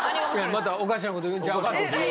またおかしなこと言うんちゃうかと思って。